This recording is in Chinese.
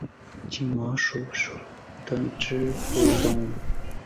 金毛鼹属等之数种哺乳动物。